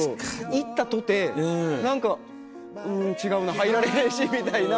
行ったとて何かうん違うな入られへんしみたいな。